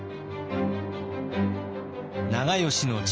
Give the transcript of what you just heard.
長慶の父